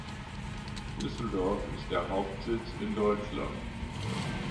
Düsseldorf ist der Hauptsitz in Deutschland.